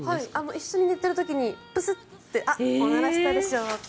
一緒に寝ている時にプスッておならしたでしょうって。